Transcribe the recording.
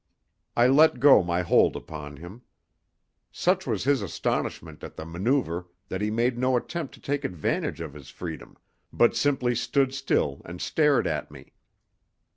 I let go my hold upon him. Such was his astonishment at the manoeuvre that he made no attempt to take advantage of his freedom, but simply stood still and stared at me.